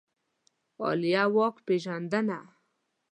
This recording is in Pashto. عالیه واک پېژندنه